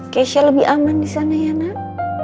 keisha lebih aman disana ya nak